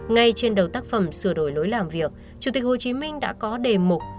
ngay trên đầu tác phẩm sửa đổi lối làm việc chủ tịch hồ chí minh đã có đề mục